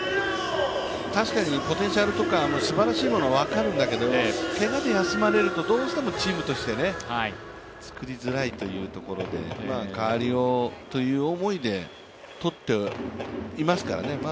確かにポテンシャルとかすばらしいものは分かるんだけどけがで休まれると、どうしてもチームとして作りづらいというところで、代わりをという思いでとっていますからね。